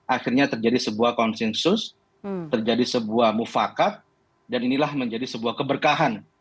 akhirnya terjadi sebuah konsensus terjadi sebuah mufakat dan inilah menjadi sebuah keberkahan